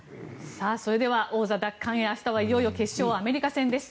それでは、王座奪還へ明日はいよいよ決勝アメリカ戦です。